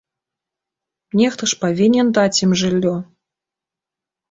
Нехта ж павінен даць ім жыллё!